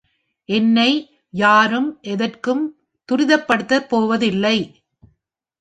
என்னை யாரும் எதற்கும் துரிதப்படுத்தப் போவதில்லை!